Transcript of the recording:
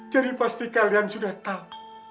jadi pasti kalian sudah tahu